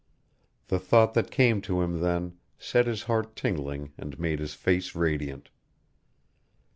The thought that came to him then set his heart tingling and made his face radiant.